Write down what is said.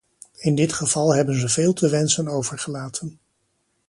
In dit geval hebben ze veel te wensen overgelaten.